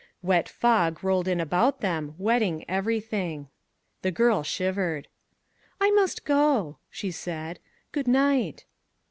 Wet fog rolled in about them, wetting everything. The girl shivered. "I must go," she said; "good night."